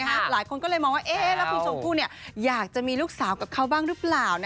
หลายคนก็เลยมองว่าแล้วคุณชมพู่อยากจะมีลูกสาวกับเขาบ้างหรือเปล่า